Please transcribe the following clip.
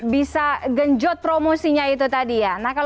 bisa genjot promosinya itu tadi ya